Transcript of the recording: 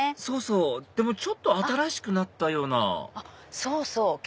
そうそうでもちょっと新しくなったようなそうそう！